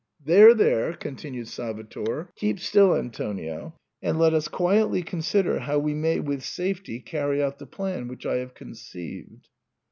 " There, there," continued Salvator, " keep still, An tonio, and let us quietly consider how we may with safety carry out the plan which I have conceived.